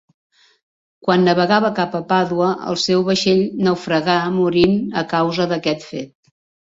Quan navegava cap a Pàdua el seu vaixell naufragà morint a causa d'aquest fet.